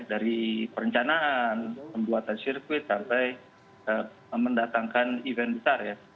dari perencanaan pembuatan sirkuit sampai mendatangkan event besar ya